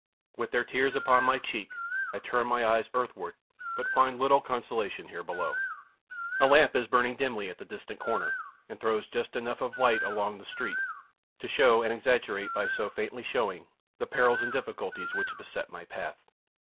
With their tears upon my cheek, I turn my eyes earthward, but find little consolation here below. A lamp is burning dimly at the distant corner, and throws just enough of light along the street, to show, and exaggerate by so faintly showing, the perils and difficulties which beset my path.